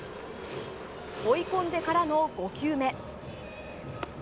追い込んでからの５球目。